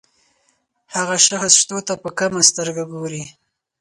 هغه شخص شتو ته په کمه سترګه ګوري.